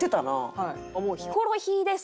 はい。